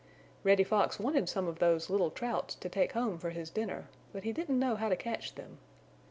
Reddy Fox wanted some of those little Trouts to take home for his dinner, but he didn't know how to catch them.